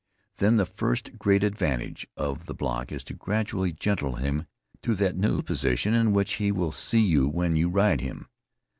Then the first great advantage of the block is to gradually gentle him to that new position in which he will see you when you ride him.